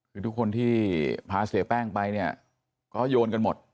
คือทุกคนที่พาเสียแป้งไปเนี่ยก็โยนกันหมด